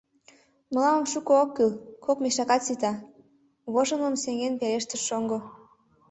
— Мылам шуко ок кӱл — кок мешакат сита, — вожылмым сеҥен пелештыш шоҥго.